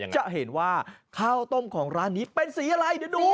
จะเห็นว่าข้าวต้มของร้านนี้เป็นสีอะไรเดี๋ยวดู